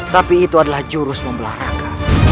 tapi itu adalah jurus membelah raga